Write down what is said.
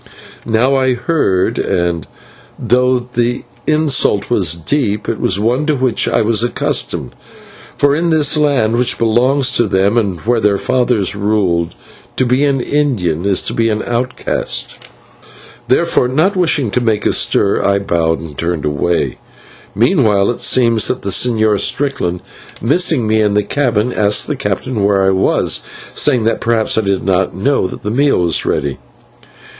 Now I heard, and though the insult was deep, it was one to which I was accustomed, for in this land, which belongs to them and where their fathers ruled, to be an Indian is to be an outcast. Therefore, not wishing to make a stir, I bowed and turned away. Meanwhile, it seems that the Señor Strickland, missing me in the cabin, asked the captain where I was, saying that perhaps I did not know that the meal was ready.